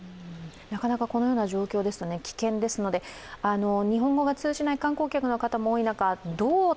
このような状況ですと、危険ですので日本語が通じない観光客の皆さんも多い中、どのように